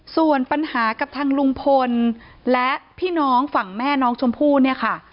ส่วนปัญหากับทางลุงพลและพี่น้องฝั่งแม่น้องชมพู่เนี่ยค่ะ